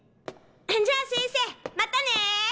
じゃあ先生またね！